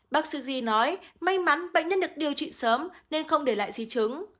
bác sư duy nói may mắn bệnh nhân được điều trị sớm nên không để lại di chứng